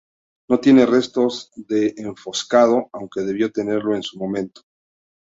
No tiene restos de enfoscado, aunque debió tenerlo en su momento.